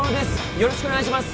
よろしくお願いします。